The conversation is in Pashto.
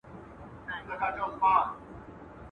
گيله د دوسته کېږي.